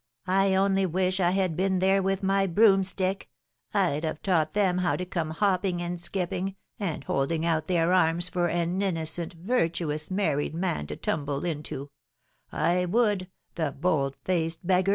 I only wish I had been there with my broomstick; I'd have taught them how to come hopping and skipping, and holding out their arms for an innocent, virtuous, married man to tumble into, I would, the bold faced beggars!"